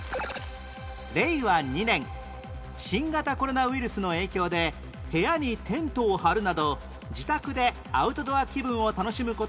令和２年新型コロナウイルスの影響で部屋にテントを張るなど自宅でアウトドア気分を楽しむ事がブームに